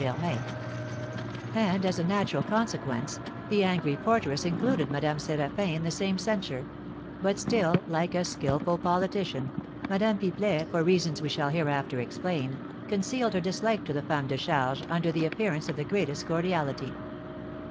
Germain; and, as a natural consequence, the angry porteress included Madame Séraphin in the same censure; but still, like a skilful politician, Madame Pipelet, for reasons we shall hereafter explain, concealed her dislike to the femme de charge under the appearance of the greatest cordiality.